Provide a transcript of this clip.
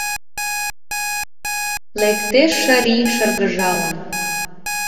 Лектеш шырий шыргыжалын